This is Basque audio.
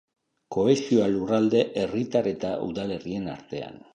Kohesioa lurralde, herritar eta udalerrien artean.